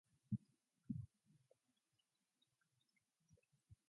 Klee became mystical as his art matured.